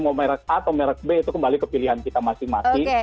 mau merek a atau merek b itu kembali ke pilihan kita masing masing